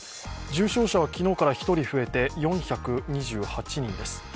重症者は、昨日から１人増えて４２８人です。